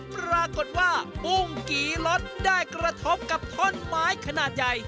ปรากฏว่าปุ้งกี่ล็อตได้กระทบกับท่อนไม้ขนาดใหญ่